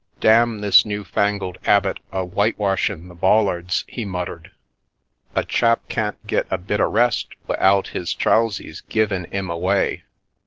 " Damn this new fangled 'abit o* white washin' the bollards !" he muttered. " A chap can't get a bit o' rest wi'out 'is trousies givin' 'im away